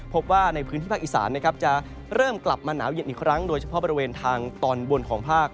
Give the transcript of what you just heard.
พบว่าในพื้นที่ภาคอีสานนะครับจะเริ่มกลับมาหนาวเย็นอีกครั้งโดยเฉพาะบริเวณทางตอนบนของภาค